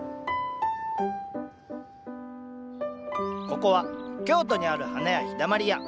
ここは京都にある花屋「陽だまり屋」。